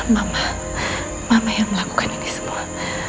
mama mama yang melakukan ini semua